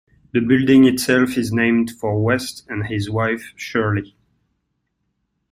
The building itself is named for West and his wife, Shirley.